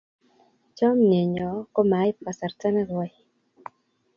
Chomnyet nyo komaib kasarta nekoi